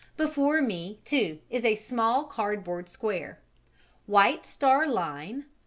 Before me, too, is a small cardboard square: "White Star Line.